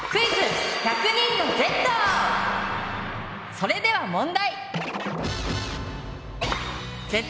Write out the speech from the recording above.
それでは問題！